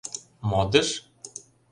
— Модыш?